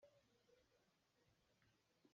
Muṭhai an pek.